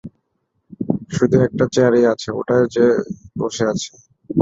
শুধু একটা চেয়ার-ই আছে, ওটায় সে বসে আছে।